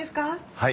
はい。